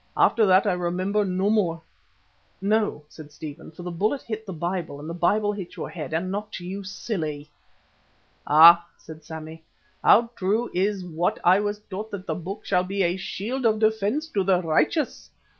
After that I remember no more." "No," said Stephen, "for the bullet hit the Bible and the Bible hit your head and knocked you silly." "Ah!" said Sammy, "how true is what I was taught that the Book shall be a shield of defence to the righteous.